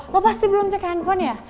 lo pasti belum cek handphone ya